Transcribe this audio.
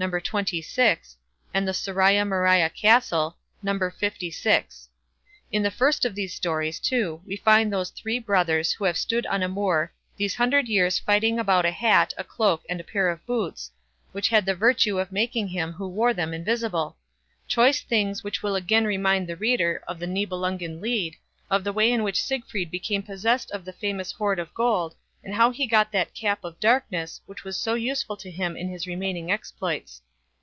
xxvi, and in "Soria Moria Castle", No. lvi. In the first of those stories, too, we find those "three brothers" who have stood on a moor "these hundred years fighting about a hat, a cloak, and a pair of boots", which had the virtue of making him who wore them invisible; choice things which will again remind the reader of the Nibelungen Lied, of the way in which Siegfried became possessed of the famous hoard of gold, and how he got that "cap of darkness" which was so useful to him in his remaining exploits.